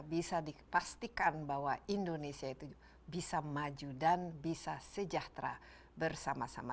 bisa dipastikan bahwa indonesia itu bisa maju dan bisa sejahtera bersama sama